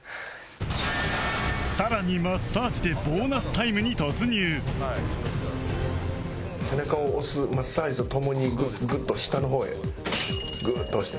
更にマッサージでボーナスタイムに突入背中を押すマッサージとともにグッと下の方へグーッと押して。